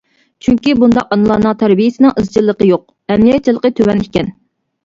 چۈنكى، بۇنداق ئانىلارنىڭ تەربىيەسىنىڭ ئىزچىللىقى يوق، ئەمەلىيەتچانلىقى تۆۋەن ئىكەن.